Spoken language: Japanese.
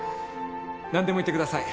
何でも言ってください。